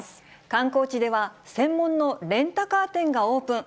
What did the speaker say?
観光地では専門のレンタカー店がオープン。